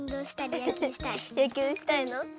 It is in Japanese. やきゅうしたいの？